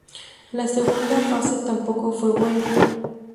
La segunda fase tampoco fue buena.